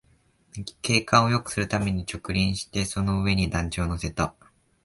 景観をよくするために植林して、その上に団地を乗せた